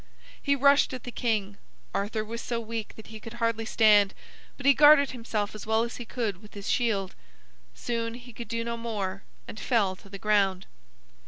He rushed at the king. Arthur was so weak that he could hardly stand, but he guarded himself as well as he could with his shield. Soon he could do no more, and fell to the ground.